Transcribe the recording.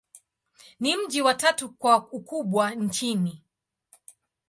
Ni mji wa tatu kwa ukubwa nchini.